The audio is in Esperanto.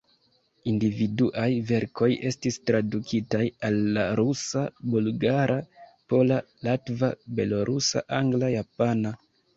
Individuaj verkoj estis tradukitaj al la rusa, bulgara, pola, latva, belorusa, angla, japana.